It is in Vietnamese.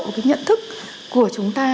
và cái nhận thức của chúng ta